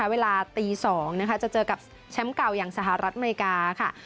เวลาตี๒จะเจอกับแชมป์เก่าอย่างสหรัฐอเมริกาค่ะ